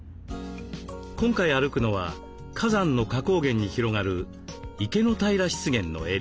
今回歩くのは火山の火口原に広がる池の平湿原のエリア。